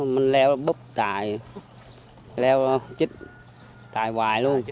mình leo búp tài leo chích tài hoài luôn